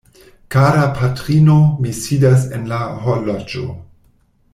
Kara patrino, mi sidas en la horloĝo.